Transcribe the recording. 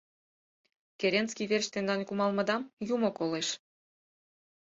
Керенский верч тендан кумалмыдам юмо колеш.